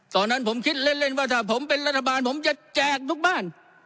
ตอนนั้นผมคิดเล่นว่าถ้าผมเป็นรัฐบาลผมจะแจกทุกบ้าน